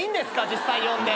実際呼んで。